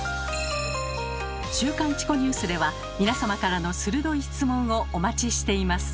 「週刊チコニュース」では皆様からの鋭い質問をお待ちしています。